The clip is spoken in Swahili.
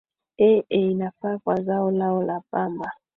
ee inafaa kwa zao lao la pamba